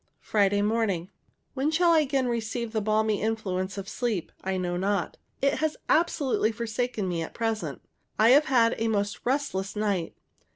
Friday morning. When I shall again receive the balmy influence of sleep, I know not. It has absolutely forsaken me at present. I have had a most restless night.